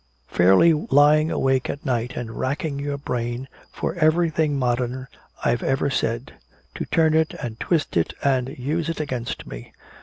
"Fairly lying awake at night and racking your brains for everything modern I've ever said to turn it and twist it and use it against me!"